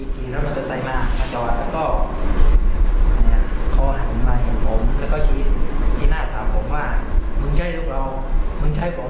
เพื่อนก็เขาก็วิ่งมาเลยหมดเลยอ่ะทั้งสิบกว่าก็